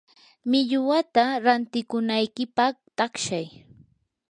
millwata rantikunaykipaq taqshay.